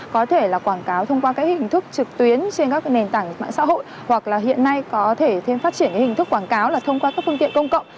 có thể là quảng cáo thông qua các hình thức trực tuyến trên các nền tảng mạng xã hội hoặc là hiện nay có thể thêm phát triển cái hình thức quảng cáo là thông qua các phương tiện công cộng